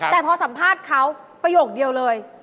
แต่พอสัมภาษณ์เขาประโยคเดียวเลย